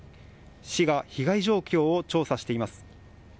市が被害状況を調査しています。